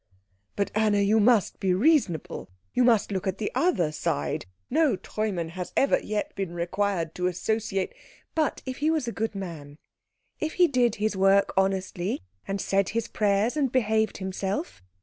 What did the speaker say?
"But, Anna, you must be reasonable you must look at the other side. No Treumann has ever yet been required to associate " "But if he was a good man? If he did his work honestly, and said his prayers, and behaved himself?